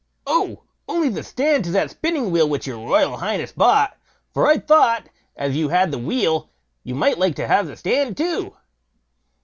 "Oh! only the stand to that spinning wheel which your royal highness bought; for I thought, as you had the wheel, you might like to have the stand too."